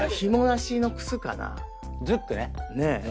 ズックね。